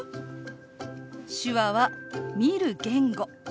手話は見る言語。